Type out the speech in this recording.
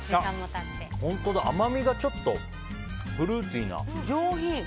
本当だ、甘みがちょっとフルーティーな。